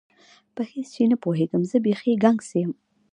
په هیڅ شي نه پوهېږم، زه بیخي ګنګس یم.